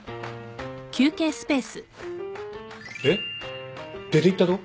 えっ？出ていったと？